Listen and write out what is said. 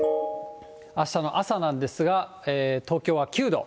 あしたの朝なんですが、東京は９度。